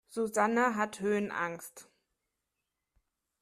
Susanne hat Höhenangst.